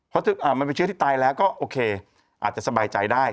เพราะมันเป็นเชื้อที่ตายแล้วก็โอเคอาจจะสบายใจได้